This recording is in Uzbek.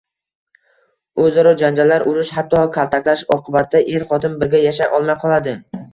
O‘zaro janjallar, urish, hatto kaltaklash oqibatida er-xotin birga yashay olmay qoladi.